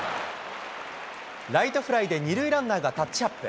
ライトフライで２塁ランナーがタッチアップ。